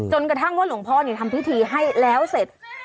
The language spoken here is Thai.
กระทั่งว่าหลวงพ่อทำพิธีให้แล้วเสร็จ